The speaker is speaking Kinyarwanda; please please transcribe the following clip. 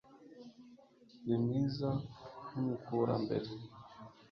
ni mwiza nkumukurambere